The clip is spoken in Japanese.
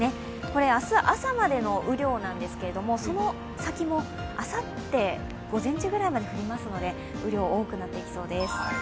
これは明日朝までの雨量なんですけれども、その先も、あさって午前中ぐらいまで降りますので、雨量、多くなっていきそうです。